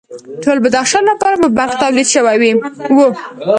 ټول بدخشان لپاره به برق تولید شوی و